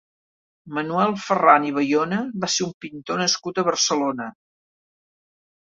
Manuel Ferran i Bayona va ser un pintor nascut a Barcelona.